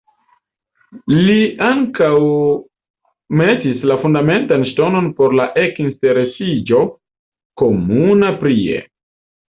Li ankaŭ metis la fundamentan ŝtonon por la ekinsteresiĝo komuna prie.